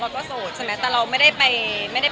ก็เลยเอาข้าวเหนียวมะม่วงมาปากเทียน